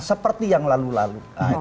seperti yang lalu lalu